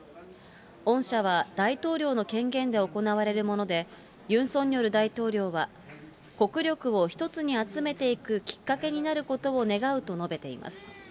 恩赦は大統領の権限で行われるもので、ユン・ソンニョル大統領は、国力を一つに集めていくきっかけになることを願うと述べています。